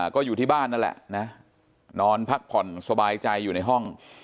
ก็อยู่ที่บ้านนั่นแหละนะนอนพักผ่อนสบายใจอยู่ในห้อง